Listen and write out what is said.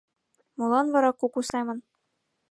Молан вара куку семын